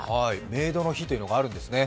メイドの日というのがあるんですね。